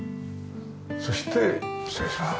そして失礼します。